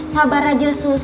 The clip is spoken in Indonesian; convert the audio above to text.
sabar aja sus